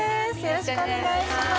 よろしくお願いします